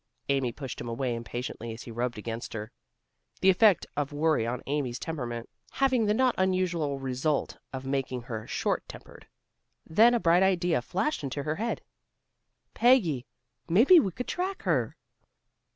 Amy pushed him away impatiently as he rubbed against her, the effect of worry on Amy's temperament having the not unusual result of making her short tempered. Then a bright idea flashed into her head. "Peggy, maybe he could track her."